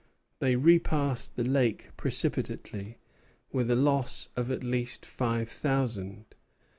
They repassed the lake precipitately, with a loss of at least five thousand.